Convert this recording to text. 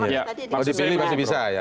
kalau dipilih pasti bisa ya